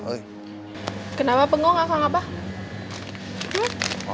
kenapa pengu enggak tahu apa